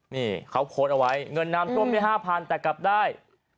นี่เขาโพสต์เอาไว้เงินน้ำท่วมได้๕๐๐แต่กลับได้